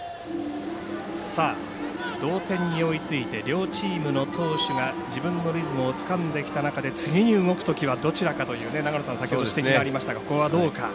同点に追いついて両チームの投手が自分のリズムをつかんできた中で次に動くときはどちらかという長野さんから先ほどご指摘がありましたがここは、どうか。